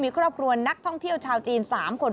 มีครอบครัวนักท่องเที่ยวชาวจีน๓คน